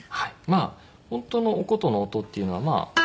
まあ本当のお箏の音っていうのは。